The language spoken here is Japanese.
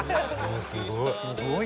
すごい！